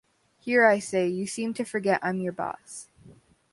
Here, I say, you seem to forget I’m your boss.